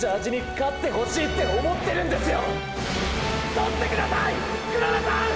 獲ってください黒田さん！！